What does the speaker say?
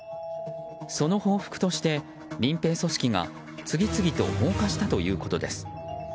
その報復として、民兵組織が次々と放火したということです。